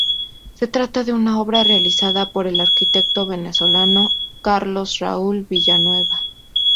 Se trata de una obra realizada por el Arquitecto venezolano Carlos Raúl Villanueva.